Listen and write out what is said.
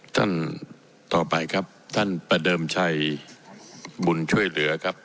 ท่านต่อไปครับท่านประเดิมชัยบุญช่วยเหลือครับ